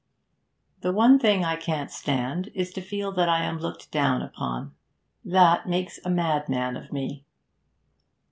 The one thing I can't stand is to feel that I am looked down upon. That makes a madman of me.'